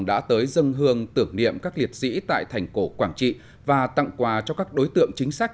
đã tới dân hương tưởng niệm các liệt sĩ tại thành cổ quảng trị và tặng quà cho các đối tượng chính sách